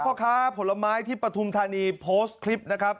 พ่อค้าผลไม้ที่ปฐุมธานีโพสต์คลิปนะครับ